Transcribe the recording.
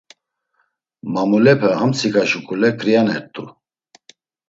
Mamulepe amtsika şuǩule ǩrianert̆u.